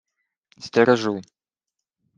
— Стережу.